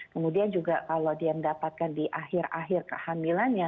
kemudian juga kalau dia mendapatkan di akhir akhir kehamilannya